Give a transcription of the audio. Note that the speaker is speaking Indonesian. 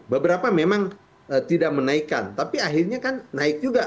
beberapa memang tidak menaikkan tapi akhirnya kan naik juga